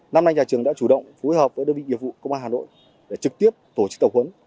năm nay nhà trường đã chủ động phối hợp với đơn vị nghiệp vụ công an hà nội để trực tiếp tổ chức tập huấn